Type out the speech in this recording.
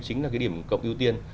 chính là cái điểm cộng ưu tiên